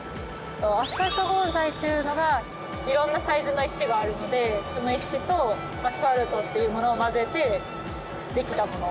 アスファルト合材っていうのが色んなサイズの石があるのでその石とアスファルトっていうものを混ぜてできたもの。